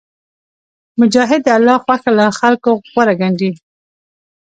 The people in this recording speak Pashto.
مجاهد د الله خوښه له خلکو غوره ګڼي.